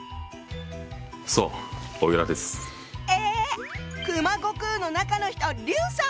えっ⁉熊悟空の中の人あっ劉さん！